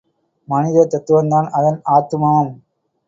மனித தத்துவம்தான் அதன் ஆத்துமம்!